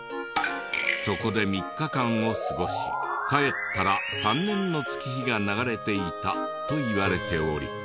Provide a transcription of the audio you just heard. そこで３日間を過ごし帰ったら３年の月日が流れていたといわれており。